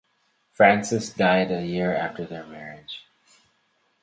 Frances died a year after their marriage.